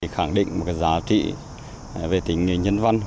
khẳng định một giá trị về tính nhân văn